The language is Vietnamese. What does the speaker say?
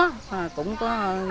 rừng đó cũng có